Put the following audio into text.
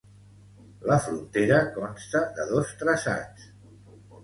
La frontera consta de dos traçats.